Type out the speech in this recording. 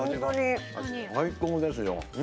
最高ですよ。